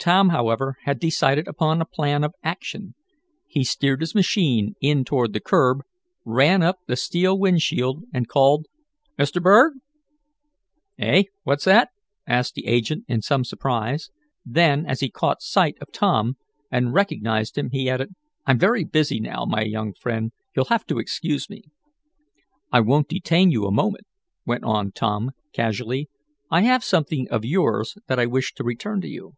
Tom, however, had decided upon a plan of action. He steered his machine in toward the curb, ran up the steel wind shield, and called: "Mr. Berg!" "Eh? What's that?" asked the agent, in some surprise. Then, as he caught sight of Tom, and recognized him, he added: "I'm very busy now, my young friend. You'll have to excuse me." "I won't detain you a moment," went on Tom, casually. "I have something of yours that I wish to return to you."